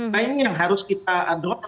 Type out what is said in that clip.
nah ini yang harus kita dorong